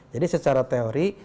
jadi secara teori